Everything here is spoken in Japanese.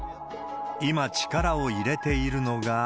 今、力を入れているのが。